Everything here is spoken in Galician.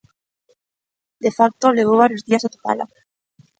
De facto, levou varios días atopala.